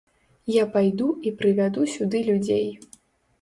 Я пайду і прывяду сюды людзей.